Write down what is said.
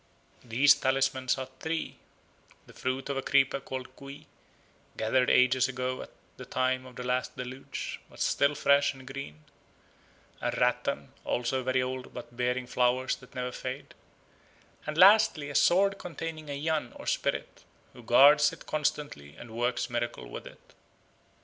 These talismans are three: the fruit of a creeper called Cui, gathered ages ago at the time of the last deluge, but still fresh and green; a rattan, also very old but bearing flowers that never fade; and lastly, a sword containing a Yan or spirit, who guards it constantly and works miracles with it.